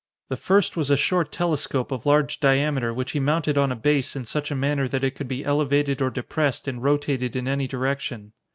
The first was a short telescope of large diameter which he mounted on a base in such a manner that it could be elevated or depressed and rotated in any direction.